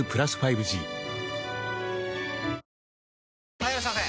・はいいらっしゃいませ！